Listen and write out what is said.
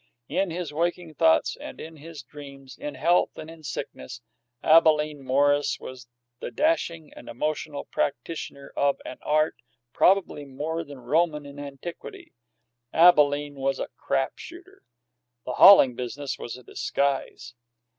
In his waking thoughts and in his dreams, in health and in sickness, Abalene Morris was the dashing and emotional practitioner of an art[22 1] probably more than Roman in antiquity. Abalene was a crap shooter. The hauling business was a disguise.